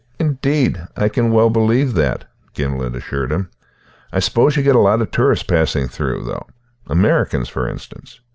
"Indeed, I can well believe that," Gimblet assured him. "I suppose you get a lot of tourists passing through, though, Americans, for instance?"